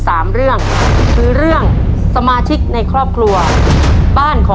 ตัวเลือดที่๓ม้าลายกับนกแก้วมาคอ